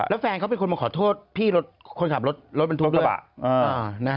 แล้วแฟนเขาเป็นคนมาขอโทษพี่รถคนขับรถรถมันทุกเรื่อง